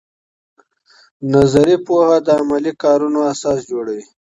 نظري پوهه د عملي کارونو اساس جوړوي.